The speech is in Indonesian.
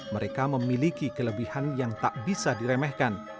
mereka memiliki kelebihan yang tak bisa diremehkan